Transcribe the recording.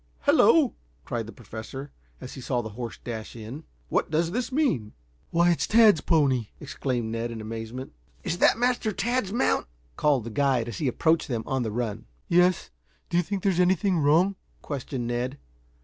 "Hello!" cried the Professor, as he saw the horse dash in. "What does this mean!" "Why, it's Tad's pony!" exclaimed Ned in amazement. "Is that Master Tad's mount?" called the guide as he approached them on the run. "Yes. Do you think there's anything wrong?" questioned Ned.